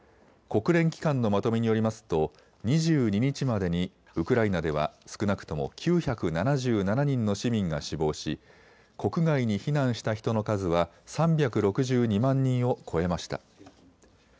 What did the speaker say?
国連機関のまとめによりますと２２日までにウクライナでは少なくとも９７７人の市民が死亡し、国外に避難した人の数は３６２万人を超えました。